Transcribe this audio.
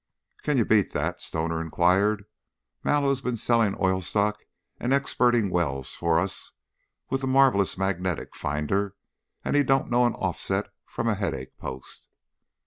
"Can you beat that?" Stoner inquired. "Mallow's been selling oil stock and experting wells for us with the Marvelous Magnetic Finder and he don't know an offset from a headache post."